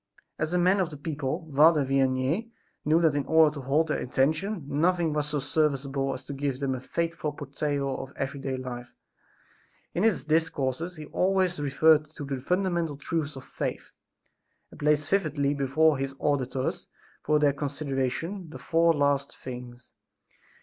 As a man of the people, Father Vianney knew that in order to hold their attention nothing was so serviceable as to give them a faithful portrayal of every day life. In his discourses he always reverted to the fundamental truths of faith and placed vividly before his auditors for their consideration, the four last things.